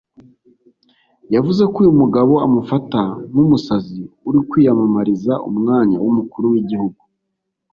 yavuze ko uyu mugabo amufata nk’umusazi uri kwiyamamariza umwanya w’Umukuru w’Igihugu